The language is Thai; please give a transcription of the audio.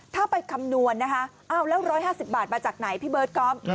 ถ้าไปคำนวณนะคะแล้ว๑๕๐บาทมาจากไหนพี่เบิร์ตก๊อฟ